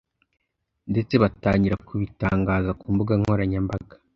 ndetse batangira kubitangaza ku mbuga nkoranyambaga